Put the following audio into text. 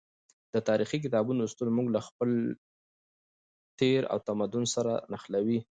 د تاریخي کتابونو لوستل موږ له خپل تیر او تمدن سره نښلوي.